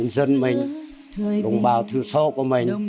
dân mình đồng bào thư sâu của mình